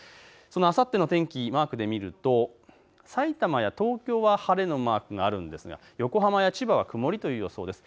あさっての天気、マークで見ると、さいたまや東京は晴れのマークがあるんですが横浜や千葉は曇りという予想です。